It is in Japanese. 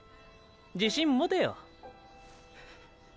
自信もてよ。